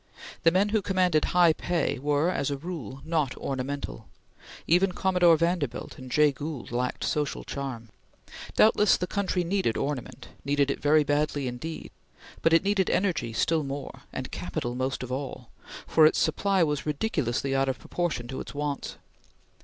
The men who commanded high pay were as a rule not ornamental. Even Commodore Vanderbilt and Jay Gould lacked social charm. Doubtless the country needed ornament needed it very badly indeed but it needed energy still more, and capital most of all, for its supply was ridiculously out of proportion to its wants.